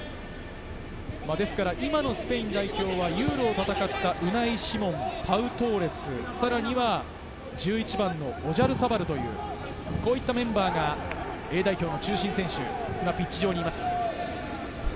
今のスペイン代表はユーロを戦ったウナイ・シモン、パウ・トーレス、１１番のオジャルサバル、こういったメンバーがＡ代表の中心選手でピッチ上にいます。